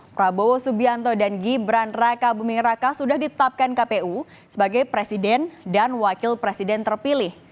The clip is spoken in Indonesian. prabowo subianto dan gibran raka buming raka sudah ditetapkan kpu sebagai presiden dan wakil presiden terpilih